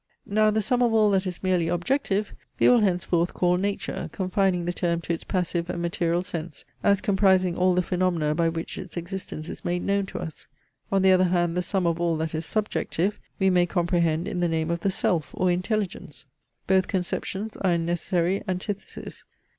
Now the sum of all that is merely OBJECTIVE, we will henceforth call NATURE, confining the term to its passive and material sense, as comprising all the phaenomena by which its existence is made known to us. On the other hand the sum of all that is SUBJECTIVE, we may comprehend in the name of the SELF or INTELLIGENCE. Both conceptions are in necessary antithesis.